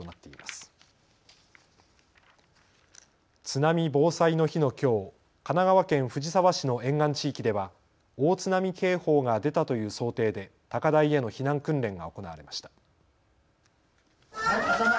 津波防災の日のきょう神奈川県藤沢市の沿岸地域では大津波警報が出たという想定で高台への避難訓練が行われました。